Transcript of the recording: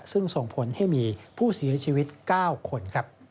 ซึ่งส่งผลให้มีผู้เสียชีวิต๙คน